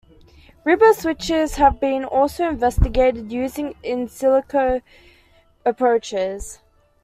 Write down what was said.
Riboswitches have been also investigated using in-silico approaches.